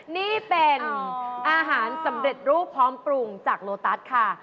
นี่เป็นอาหารสำเร็จรูปพร้อมปรุงจากโลตัสค่ะ